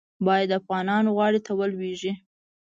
باید د افغانانو غاړې ته ولوېږي.